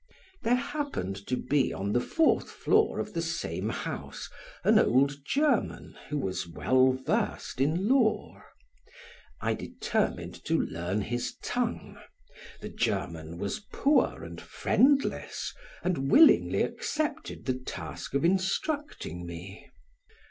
There happened to be on the fourth floor of the same house an old German who was well versed in lore. I determined to learn his tongue; the German was poor and friendless and willingly accepted the task of instructing me.